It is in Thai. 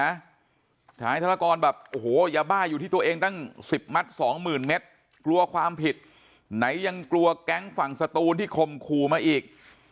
นายธนกรแบบโอ้โหยาบ้าอยู่ที่ตัวเองตั้ง๑๐มัดสองหมื่นเมตรกลัวความผิดไหนยังกลัวแก๊งฝั่งสตูนที่ข่มขู่มาอีก